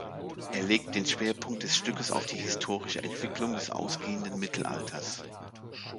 Er legt den Schwerpunkt des Stückes auf die historische Entwicklung des ausgehenden Mittelalters.